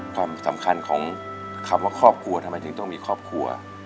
ความสำคัญของคำว่าครอบครัวทำไมถึงต้องมีครอบครัว